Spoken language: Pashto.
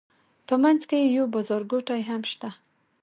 په منځ کې یې یو بازارګوټی هم شته.